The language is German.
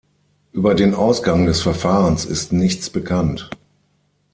Über den Ausgang des Verfahrens ist nichts bekannt.